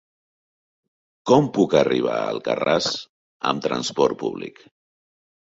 Com puc arribar a Alcarràs amb trasport públic?